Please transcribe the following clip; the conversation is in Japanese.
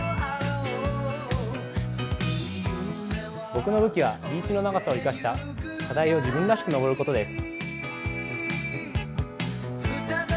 僕の武器はリーチの長さを生かし自分らしく登ることです。